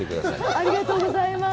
ありがとうございます。